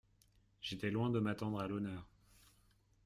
J’étais loin de m’attendre à l’honneur…